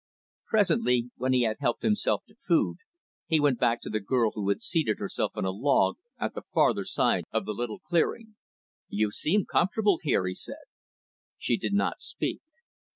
Presently, when he had helped himself to food, he went back to the girl who had seated herself on a log, at the farther side of the little clearing. "You seem fairly comfortable here," he said. She did not speak.